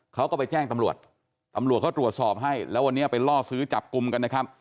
เขาก็ไปแจ้งตำรวจตำรวจตำรวจเขาตรวจสอบให้แล้ววันนี้ไปล่อซื้อจับกลุ่มกันนะครับ